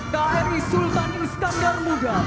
kri iskandar muda